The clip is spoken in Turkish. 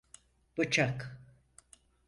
Bıçak!